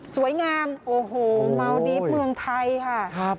สวยงามมาวดีปเมืองไทยค่ะ